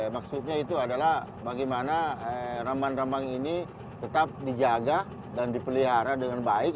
maksudnya itu adalah bagaimana rambang rambang ini tetap dijaga dan dipelihara dengan baik